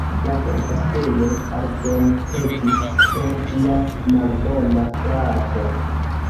La verda stelo pardonpetis pro ĝia malbona frato.